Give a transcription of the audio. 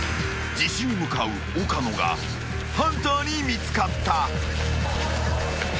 ［自首へ向かう岡野がハンターに見つかった］